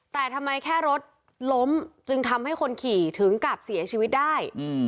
แต่ทำไมแค่รถล้มจึงทำให้คนขี่ถึงกลับเสียชีวิตได้